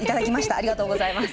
ありがとうございます。